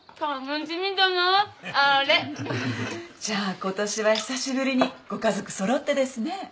じゃあことしは久しぶりにご家族揃ってですね。